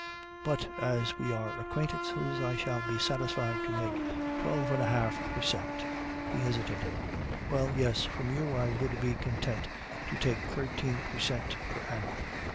"'But as we are acquaintances, I shall be satisfied to take twelve and a half per cent per (he hesitated) 'well, yes, from you I would be content to take thirteen per cent per annum.